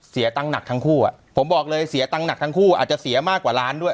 เสียตังค์หนักทั้งคู่อ่ะผมบอกเลยเสียตังค์หนักทั้งคู่อาจจะเสียมากกว่าล้านด้วย